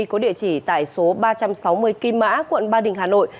có địa chỉ tại số ba trăm sáu mươi kim mã tp hcm